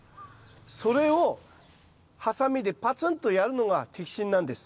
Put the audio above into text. それをハサミでパツンとやるのが摘心なんです。